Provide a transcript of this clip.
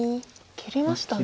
切りましたね。